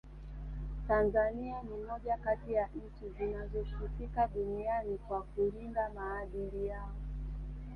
Tanzania ni moja kati ya nchi zinazosifika duniani kwa kulinda maadili yao